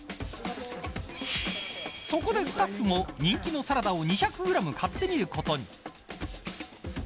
そこでスタッフも人気のサラダを２００グラム買ってみることに。